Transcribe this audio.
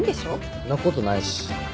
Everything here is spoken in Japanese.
そんなことないし。